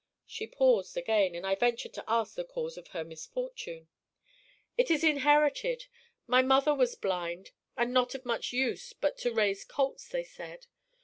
She paused again, and I ventured to ask the cause of her misfortune. "It is inherited. My mother was blind and not of much use but to raise colts, they said.